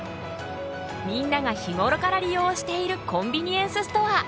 みんなが日頃から利用しているコンビニエンスストア。